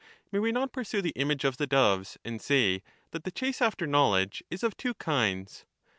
May we not pursue the image of the doves, and say that the chase after knowledge is of two kinds